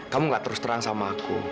kamu gak terus terang sama aku